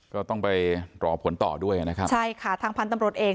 ก็ต้องไปรอผลต่อด้วยนะครับใช่ค่ะทางพันธุ์ตำรวจเอก